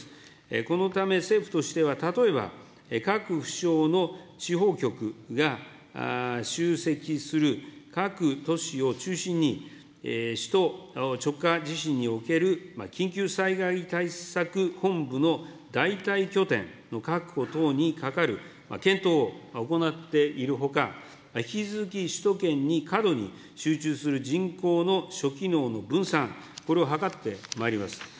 このため、政府としては例えば、各府省の地方局が集積する各都市を中心に、首都直下地震における緊急災害対策本部の代替拠点の確保等にかかる検討を行っているほか、引き続き首都圏に過度に集中する人口の諸機能の分散、これを図ってまいります。